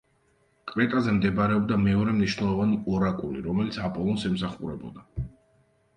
კრეტაზე მდებარეობდა მეორე მნიშვნელოვანი ორაკული, რომელიც აპოლონს ემსახურებოდა.